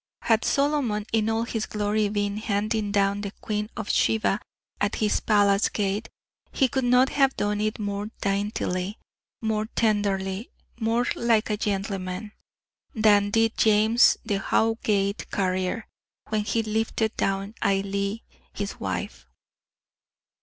Had Solomon, in all his glory, been handing down the Queen of Sheba at his palace gate, he could not have done it more daintily, more tenderly, more like a gentleman, than did James the Howgate carrier, when he lifted down Ailie, his wife.